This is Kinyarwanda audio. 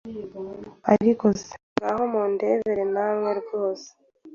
Ariko se ngaho mundebere namwe rwose